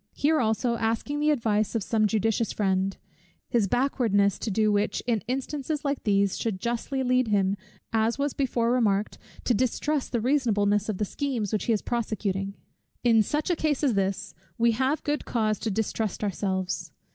here also, asking the advice of some judicious friend; his backwardness to do which, in instances like these, should justly lead him, as was before remarked, to distrust the reasonableness of the schemes which he is prosecuting. In such a case as this, we have good cause to distrust ourselves.